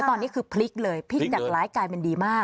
ตอนนี้คือพลิกเลยพลิกจากร้ายกลายเป็นดีมาก